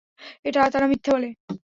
এটা তারা মিথ্যা বলে।